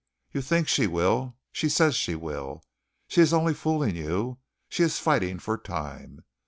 You think she will. She says she will. She is only fooling you. She is fighting for time.